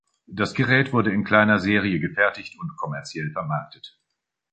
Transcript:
Das Gerät wurde in kleiner Serie gefertigt und kommerziell vermarktet.